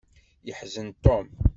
Yeḥzen Tom.